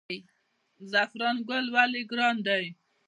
زعفران ګل ولې ګران دی؟